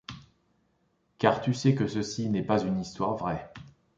Car tu sais que ceci n’est pas une histoire vraie.